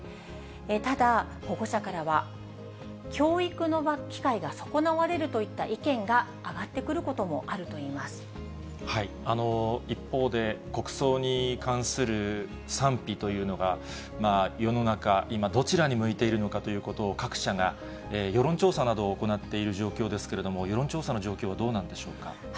ただ、保護者からは、教育の場、機会が損なわれるといった意見が上がってくることもあるといいま一方で、国葬に関する賛否というのが世の中、今、どちらに向いているのかということを各社が世論調査などを行っている状況ですけれども、世論調査の状況はどうなんでしょうか。